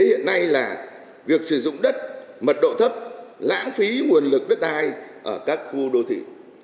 hiện nay là việc sử dụng đất mật độ thấp lãng phí nguồn lực đất đai ở các khu đô thị